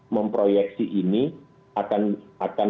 memproyeksi ini akan